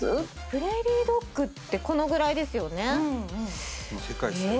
プレーリードッグってこのぐらいですよねえ